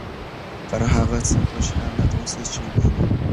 پر هغه څه خوشحاله اوسه چې لرې یې.